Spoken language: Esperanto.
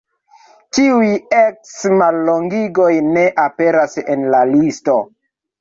Tiuj eks-mallongigoj ne aperas en la listo.